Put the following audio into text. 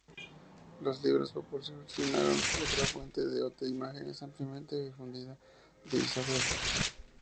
Los libros proporcionaron otra fuente de imágenes ampliamente difundida de Isabel.